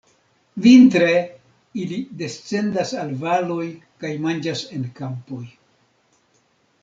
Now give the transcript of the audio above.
Vintre ili descendas al valoj kaj manĝas en kampoj.